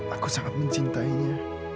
aku sangat mencintainya